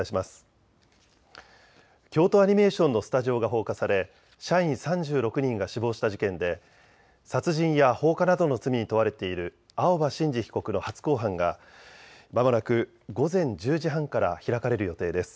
京都アニメーションのスタジオが放火され社員３６人が死亡した事件で殺人や放火などの罪に問われている青葉真司被告の初公判がまもなく午前１０時半から開かれる予定です。